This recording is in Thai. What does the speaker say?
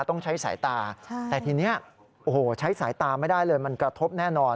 ต้องใช้สายตาแต่ทีนี้โอ้โหใช้สายตาไม่ได้เลยมันกระทบแน่นอน